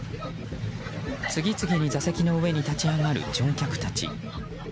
次々に座席の上に立ち上がる乗客たち。